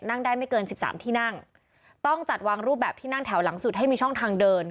นั่งได้ไม่เกินสิบสามที่นั่งต้องจัดวางรูปแบบที่นั่งแถวหลังสุดให้มีช่องทางเดิน